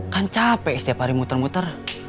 kan capek setiap hari muter muter